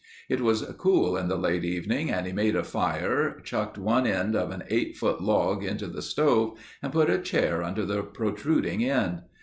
It was cool in the late evening and he made a fire, chucked one end of an eight foot log into the stove and put a chair under the protruding end.